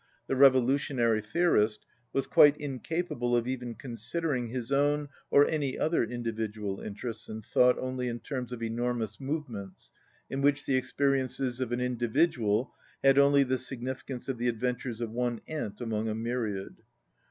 The revolu tionary theorist was quite incapable of even con sidering his own or any other individual interests and thought only in terms of enormous move ments in which the experiences of an individual had only the significance of the adventures of one ant among a myriad.